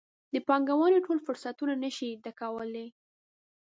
د پانګونې ټول فرصتونه نه شي ډکولی.